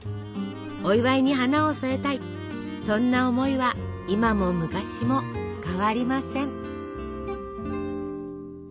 お祝いに花を添えたいそんな思いは今も昔も変わりません。